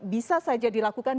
bisa saja dilakukan